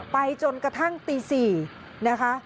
ไปจนกระทั่งตี๔นะคะ